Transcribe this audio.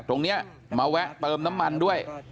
ตรงนี้มาแวะเติมน้ำมันด้วย